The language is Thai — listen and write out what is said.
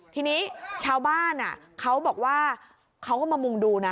ทีนี้ชาวบ้านเขาบอกว่าเขาก็มามุงดูนะ